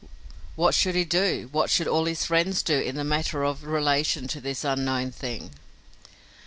What should he do, what should all his friends do in the matter of relation to this unknown thing?